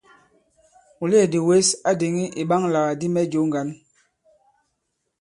Mùleèdì wěs a dìŋì ìɓaŋalàkdi mɛ jǒ ŋgǎn.